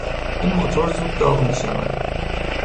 این موتور زود داغ میشود.